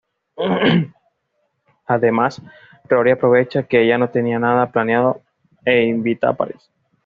Además, Rory aprovecha que ella no tenía nada planeado e invita a Paris.